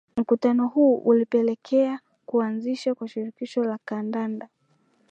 Mkutano huu ulipelekea kuanzishwa kwa Shirikisho la Kandanda